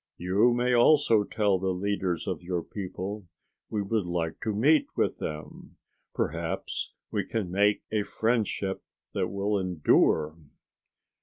You may also tell the leaders of your people we would like to meet with them. Perhaps we can make a friendship that will endure!"